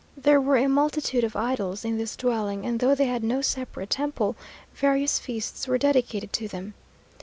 There were a multitude of idols in this dwelling, and though they had no separate temple, various feasts were dedicated to them.